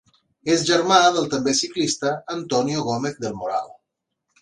És germà del també ciclista Antonio Gómez del Moral.